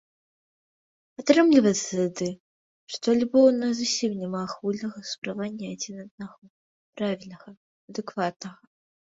Атрымліваецца тады, што альбо ў нас зусім няма агульнага ўспрымання адзін аднаго, правільнага, адэкватнага.